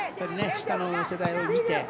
下の世代を見て。